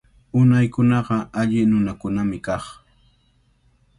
Unaykunaqa alli nunakunami kaq.